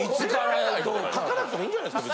書かなくてもいいんじゃないすか？